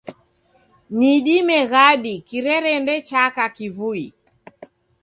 Ni dime ghadi kirerende chaka kivui